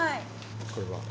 これは。